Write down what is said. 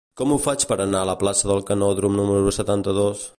Com ho faig per anar a la plaça del Canòdrom número setanta-dos?